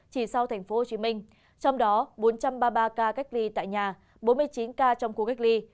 chỉ sau thành phố hồ chí minh trong đó bốn trăm ba mươi ba ca cách ly tại nhà bốn mươi chín ca trong khu cách ly